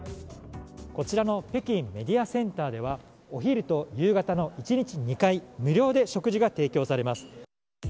こちらの北京メディアセンターではお昼と夕方の１日２回無料で食事が提供されます。